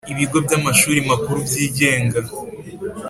ibigo by amashuri makuru byigenga